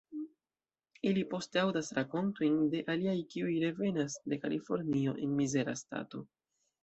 Ili poste aŭdas rakontojn de aliaj kiuj revenas de Kalifornio en mizera stato.